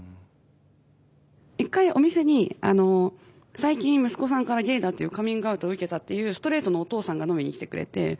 一回お店に最近息子さんからゲイだっていうカミングアウトを受けたっていうストレートのお父さんが飲みに来てくれて。